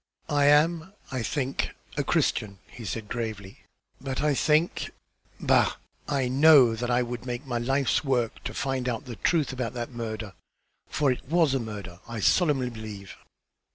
"I am, I think, a Christian," he said, gravely, "but I think bah! I know that I would make my life's work to find out the truth about that murder, for that it was a murder, I solemnly believe."